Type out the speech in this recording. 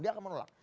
dia akan menolak